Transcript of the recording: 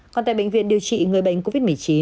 còn tại bệnh viện điều trị người bệnh covid một mươi chín